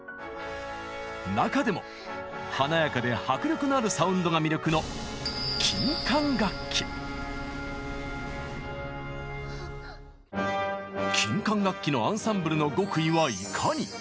中でも華やかで迫力のあるサウンドが魅力の金管楽器のアンサンブルの極意はいかに？